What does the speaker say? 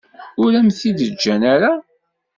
Ur am-t-id-ǧǧan ara.